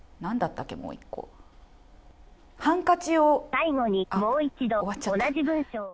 最後にもう一度、同じ文章を。